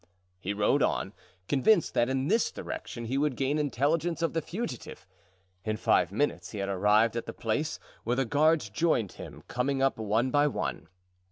He rode on, convinced that in this direction he would gain intelligence of the fugitive. In five minutes he had arrived at the place, where the guards joined him, coming up one by one.